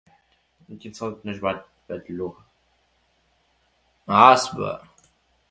Several of the protesters, including Crookston, were shot dead out of hand.